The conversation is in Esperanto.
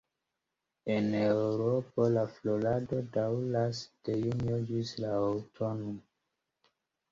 En Eŭropo la florado daŭras de junio ĝis la aŭtuno.